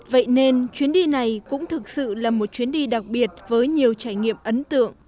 vậy nên chuyến đi này cũng thực sự là một chuyến đi đặc biệt với nhiều trải nghiệm ấn tượng